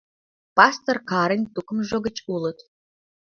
Пастор Каррын тукымжо гыч улыт.